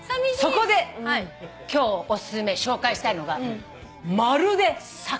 そこで今日お薦め紹介したいのがまるで魚シリーズ。